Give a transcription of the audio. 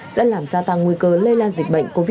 sẽ làm gia tăng nguy cơ lây lan dịch bệnh covid một mươi chín